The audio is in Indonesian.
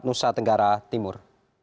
nusa tenggara timur